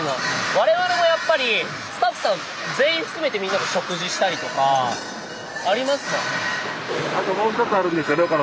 我々もやっぱりスタッフさん全員含めてみんなで食事したりとかありますもん。